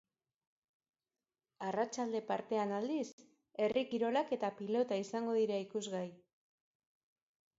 Arratsalde partean aldiz, herri kirolak eta pilota izango dira ikusgai.